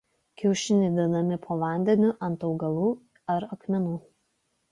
Kiaušiniai dedami po vandeniu ant augalų ar akmenų.